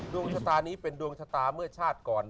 ดวงชะตานี้เป็นดวงชะตาเมื่อชาติก่อน